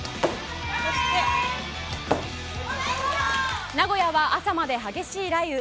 そして名古屋は朝まで激しい雷雨。